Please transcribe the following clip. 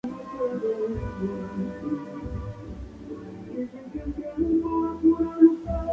Viajó directamente a Argentina a unirse a la pretemporada con el resto del club.